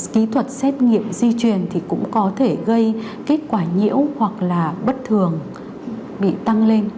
kỹ thuật xét nghiệm di truyền thì cũng có thể gây kết quả nhiễu hoặc là bất thường bị tăng lên